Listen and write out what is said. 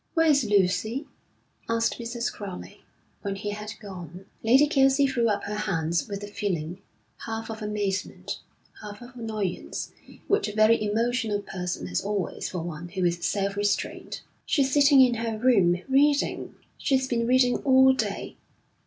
'Where is Lucy?' asked Mrs. Crowley, when he had gone. Lady Kelsey threw up her hands with the feeling, half of amazement, half of annoyance, which a very emotional person has always for one who is self restrained. 'She's sitting in her room, reading. She's been reading all day.